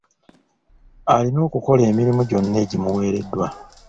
Alina okukola emirimu gyonna egimuweereddwa.